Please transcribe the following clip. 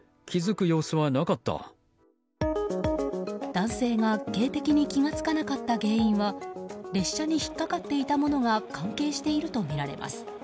男性が警笛に気が付かなかった原因は列車に引っかかっていたものが関係しているとみられます。